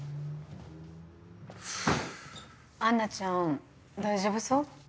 アンナちゃん大丈夫そう？